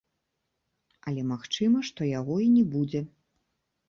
Але магчыма, што яго і не будзе.